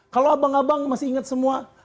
kalau abang abang masih ingat semua